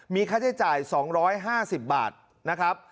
มีค่าใช้จ่าย๒๕๐บาทนะครับ